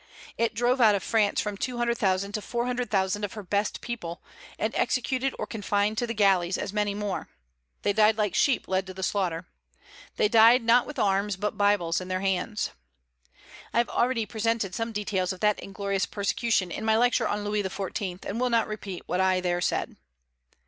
It drove out of France from two hundred thousand to four hundred thousand of her best people, and executed or confined to the galleys as many more, They died like sheep led to the slaughter; they died not with arms, but Bibles, in their hands. I have already presented some details of that inglorious persecution in my lecture on Louis XIV., and will not repeat what I there said.